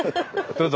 どうぞ。